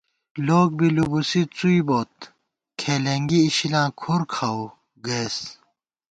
لوگ بی لُوبُوسی څُوئی بوت ، کھېلېنگی اِشِلاں کھُر کھاوُو گَئیس